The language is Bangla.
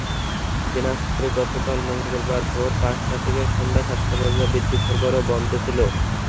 দিনাজপুরে গতকাল মঙ্গলবার ভোর পাঁচটা থেকে সন্ধ্যা সাতটা পর্যন্ত বিদ্যুৎ সরবরাহ বন্ধ ছিল।